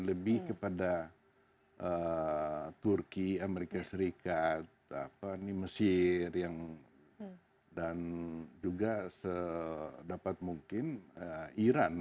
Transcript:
lebih kepada turki amerika serikat mesir dan juga sedapat mungkin iran